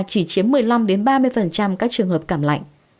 chỉ chiếm một mươi năm ba mươi các trường hợp cảm lạnh